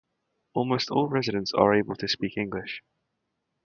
Almost all residents are able to speak English.